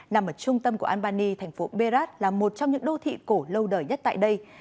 nằm ở trung tâm của albany thành phố berat là một trong những đô thị cổ lâu đời nhất tại đây